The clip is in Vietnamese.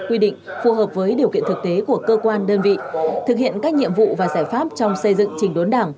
quy định phù hợp với điều kiện thực tế của cơ quan đơn vị thực hiện các nhiệm vụ và giải pháp trong xây dựng trình đốn đảng